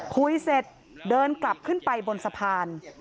คุยเสร็จเดินกลับขึ้นไปบนสะพาน